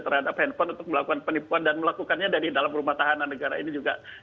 terhadap handphone untuk melakukan penipuan dan melakukannya dari dalam rumah tahanan negara ini juga